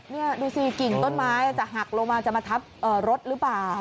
นี่ดูสิกิ่งต้นไม้จะหักลงมาจะมาทับรถหรือเปล่า